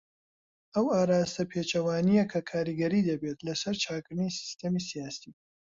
ئەو ئاراستە پێچەوانیە کە کاریگەری دەبێت لەسەر چاکردنی سیستەمی سیاسی.